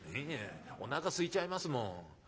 「いやおなかすいちゃいますもん。